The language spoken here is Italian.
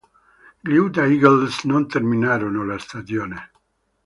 Gli Utah Eagles non terminarono la stagione.